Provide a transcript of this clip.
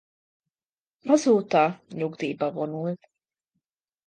Azóta nyugdíjba vonult.